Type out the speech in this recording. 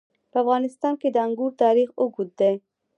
په افغانستان کې د انګور تاریخ اوږد دی.